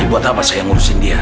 dibuat apa saya ngurusin dia